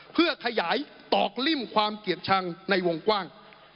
เพื่อขยายตอกลิ่มความเกลียดชังในวงกว้าง